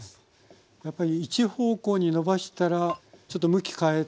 やっぱり一方向にのばしたらちょっと向き変えて。